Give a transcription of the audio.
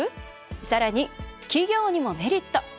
さらに「企業にもメリット！」